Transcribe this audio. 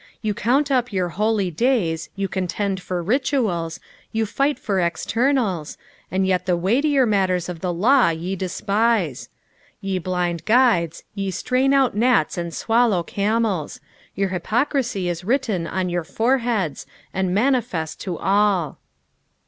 Tou count up your holy days, you contend for rituals, jou fight for estemals, and yet the weightier matters of the law ye despise ! Ye blind guides, ye strain out gnats and swallow camels ; your hypocrisy is written on your foreheads and manifest to all.